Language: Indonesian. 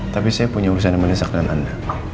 tapi saya punya urusan yang menisak dengan anda